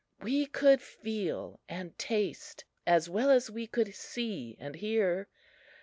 We could feel and taste as well as we could see and hear.